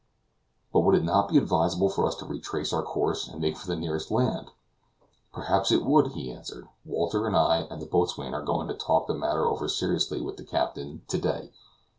"But would it not be advisable for us to retrace our course, and make for the nearest land?" "Perhaps it would," he answered. "Walter and I, and the boatswain, are going to talk the matter over seriously with the captain to day.